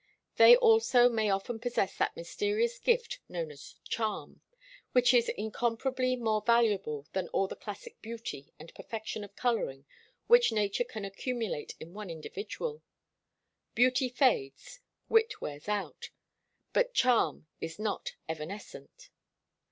They also may often possess that mysterious gift known as charm, which is incomparably more valuable than all the classic beauty and perfection of colouring which nature can accumulate in one individual. Beauty fades; wit wears out; but charm is not evanescent.